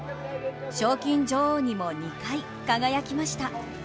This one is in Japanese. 賞金女王にも２回、輝きました。